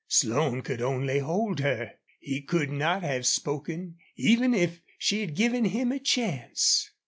Slone could only hold her. He could not have spoken, even if she had given him a chance.